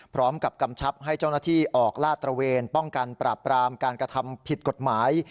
กำชับให้เจ้าหน้าที่ออกลาดตระเวนป้องกันปราบปรามการกระทำผิดกฎหมาย